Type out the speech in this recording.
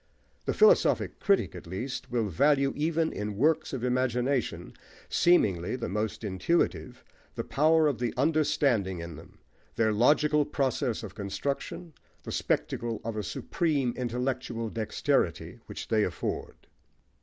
The philosophic critic, at least, will value, even in works of imagination, seemingly the most intuitive, the power of the understanding in them, their logical process of construction, the spectacle of a supreme intellectual dexterity which they afford.